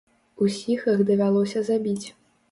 Усіх іх давялося забіць.